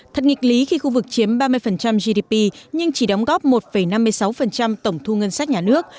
thật nghịch lý khi khu vực chiếm ba mươi gdp nhưng chỉ đóng góp một năm mươi sáu tổng thu ngân sách nhà nước